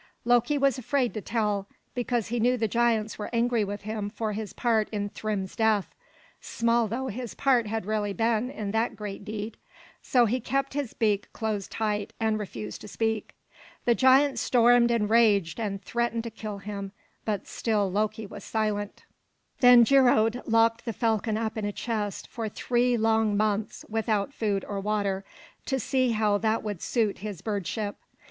Loki was afraid to tell, because he knew the giants were angry with him for his part in Thrym's death, small though his part had really been in that great deed. So he kept his beak closed tight, and refused to speak. The giant stormed and raged and threatened to kill him; but still Loki was silent. Then Geirröd locked the falcon up in a chest for three long months without food or water, to see how that would suit his bird ship.